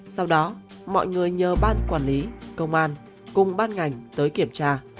sau đó mọi người nhờ ban quản lý công an cùng ban ngành tới kiểm tra